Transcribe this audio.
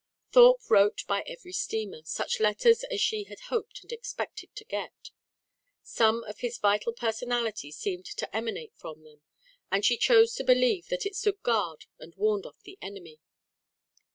Thorpe wrote by every steamer, such letters as she had hoped and expected to get. Some of his vital personality seemed to emanate from them; and she chose to believe that it stood guard and warned off the enemy.